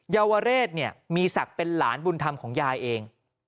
ยาวเรศเนี่ยมีศักดิ์เป็นหลานบุญธรรมของยายเอง